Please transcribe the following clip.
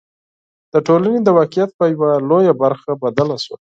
د ټولنې د واقعیت په یوه لویه برخه بدله شوه.